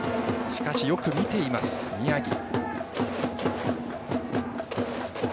しかし、よく見ています宮城。